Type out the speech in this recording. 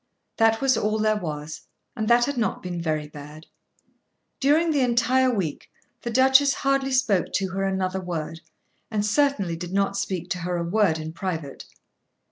That was all there was, and that had not been very bad. During the entire week the Duchess hardly spoke to her another word, and certainly did not speak to her a word in private.